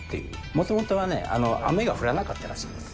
もともとはね、雨が降らなかったらしいです。